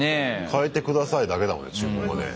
変えて下さいだけだもんね注文がね。